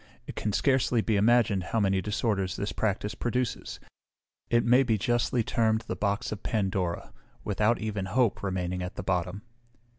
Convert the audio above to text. It can scarcely be imagined how many disorders this practice produces; it may be justly termed the box of Pandora, without even hope remaining at the bottom."